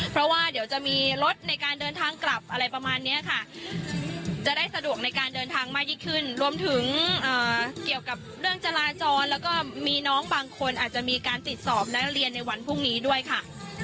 เพราะว่าเดี๋ยวจะมีรถในการเดินทางกลับอะไรประมาณนี้ค่ะจะได้สะดวกในการเดินทางมากยิ่งขึ้นรวมถึงเกี่ยวกับเรื่องจราจรแล้วก็มีน้องบางคนอาจจะมีการติดสอบนักเรียนในวันพรุ่งนี้ด้วยค่ะ